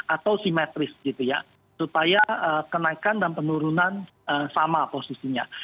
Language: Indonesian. atau simetris gitu ya supaya kenaikan dan penurunan sama posisinya